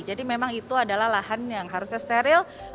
memang itu adalah lahan yang harusnya steril